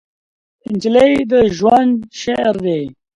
نجلۍ د ژوند شعر ده.